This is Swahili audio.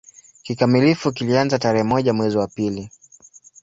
Kikamilifu kilianza tarehe moja mwezi wa pili